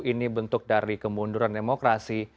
ini bentuk dari kemunduran demokrasi